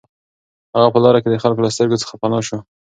هغه په لاره کې د خلکو له سترګو څخه پناه شو